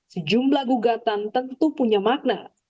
sejumlah gugatan tentu punya makna